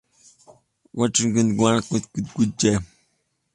Пусть крепнет тепло наших дружеских уз.